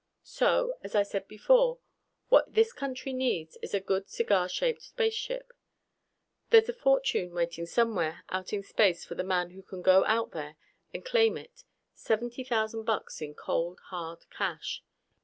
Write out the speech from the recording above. So, as I said before, what this country needs is a good cigar shaped spaceship. There's a fortune waiting somewhere out in space for the man who can go out there and claim it. Seventy thousand bucks in cold, hard cash.